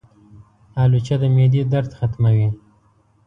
الوچه د معدې درد ختموي.